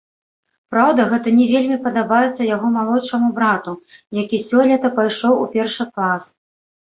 Праўда, гэта не вельмі падабаецца яго малодшаму брату, які сёлета пайшоў у першы клас.